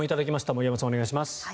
森山さん、お願いします。